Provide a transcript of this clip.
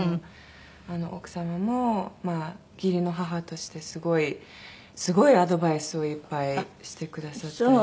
奥様もまあ義理の母としてすごいすごいアドバイスをいっぱいしてくださったり。